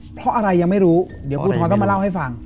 เพราะอะไรยังไม่รู้เดี๋ยวครูทรก็มาเล่าให้ฟัง